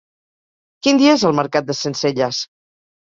Quin dia és el mercat de Sencelles?